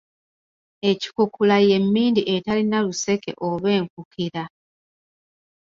Ekikukula y’emmindi etalina luseke oba enkukira.